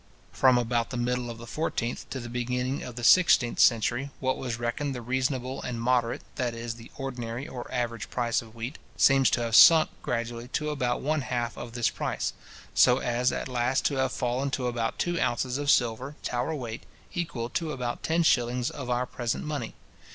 From about the middle of the fourteenth to the beginning of the sixteenth century, what was reckoned the reasonable and moderate, that is, the ordinary or average price of wheat, seems to have sunk gradually to about one half of this price; so as at last to have fallen to about two ounces of silver, Tower weight, equal to about ten shillings of our present money.